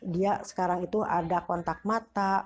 dia sekarang itu ada kontak mata